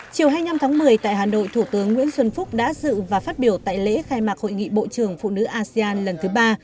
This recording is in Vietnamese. chiều hai mươi năm tháng một mươi tại hà nội thủ tướng nguyễn xuân phúc đã dự và phát biểu tại lễ khai mạc hội nghị bộ trưởng phụ nữ asean lần thứ ba